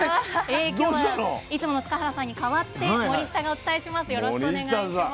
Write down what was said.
今日はいつもの塚原さんに代わって森下がお伝えします。